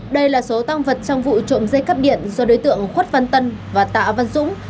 đây là số tăng vật trong vụ trộm dây cắp điện do đối tượng khuất văn tân và tạ văn dũng